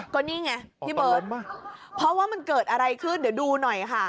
ก็นี่ไงพี่เบิร์ตเพราะว่ามันเกิดอะไรขึ้นเดี๋ยวดูหน่อยค่ะ